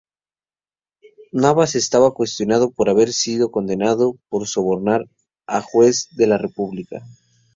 Navas estaba cuestionado por haber sido condenado por sobornar a juez de la República.